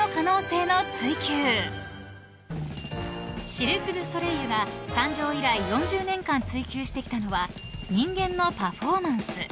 ［シルク・ドゥ・ソレイユが誕生以来４０年間追求してきたのは人間のパフォーマンス］